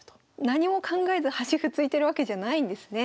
何も考えず端歩突いてるわけじゃないんですね。